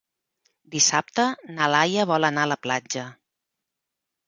Dissabte na Laia vol anar a la platja.